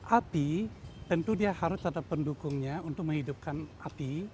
api tentu dia harus ada pendukungnya untuk menghidupkan api